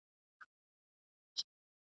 ده د منځګړيتوب لارې کارولې.